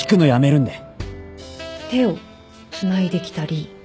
手をつないできたり。